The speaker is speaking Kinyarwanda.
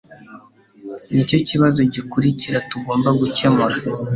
Nicyo kibazo gikurikira tugomba gukemura.